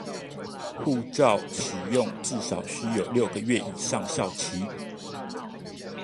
護照使用至少須有六個月以上效期